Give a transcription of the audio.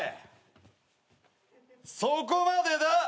そこまでだ。